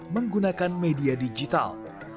menggunakan media digital